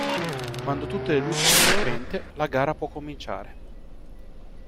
Quando tutte le luci sono spente, la gara può cominciare.